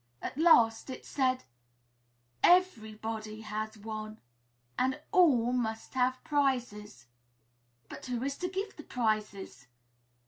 At last it said, "Everybody has won, and all must have prizes." "But who is to give the prizes?"